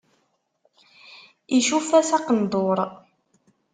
Icuff-as aqenduṛ.